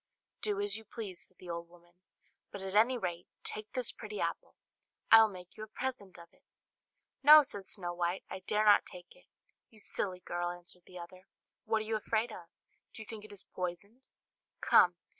"Do as you please," said the old woman, "but at any rate take this pretty apple; I will make you a present of it." "No," said Snow White, "I dare not take it." "You silly girl!" answered the other, "what are you afraid of? Do you think it is poisoned? Come!